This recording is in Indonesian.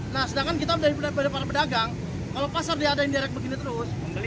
nah sedangkan kita daripada para pedagang kalau pasar diadain direk begini terus